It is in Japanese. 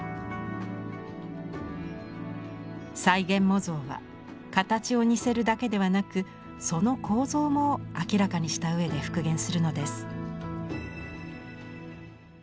再現模造は形を似せるだけではなくその構造も明らかにしたうえで復元するのです。